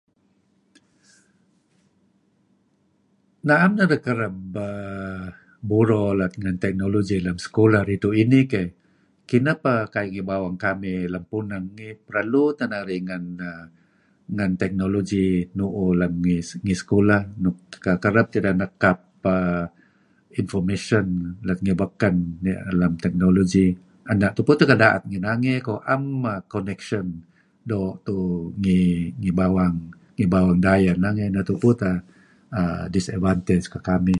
Naem narih kereb uhm buro lat ngen teknologi lem sekolah ridtu' inih keyh. Kineh peh kayu' ngi bawang kamih lem puneng ngi perlu teh narih ngen ngen teknologi nuk nuuh lem sekolahnuk kereb teh ideh nekap information lat ngi baken ngi alem teknologi. Ena' tupu teh kendaet ngi nange keyh, naem connection doo' tuuh ngi bawang, ngi bawang dayeh nangey. Neh tupu teh disadvantage kekamih.